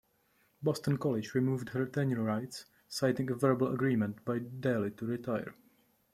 Boston College removed her tenure rights, citing a verbal agreement by Daly to retire.